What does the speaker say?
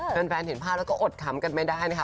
แฟนเห็นภาพแล้วก็อดคำกันไม่ได้นะคะ